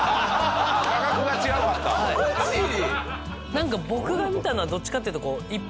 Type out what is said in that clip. なんか僕が見たのはどっちかっていうと一方方向。